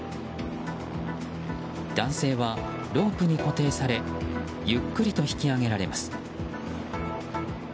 男性はロープに固定されゆっくりと引き上げられます。